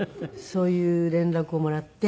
そういう連絡をもらって。